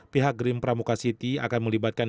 pihak green pramuka city akan melibatkan